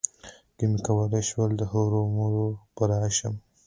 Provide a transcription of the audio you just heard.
که مې کولای شول، هرومرو به راشم.